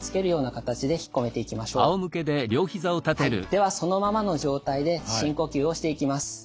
ではそのままの状態で深呼吸をしていきます。